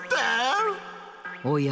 おや？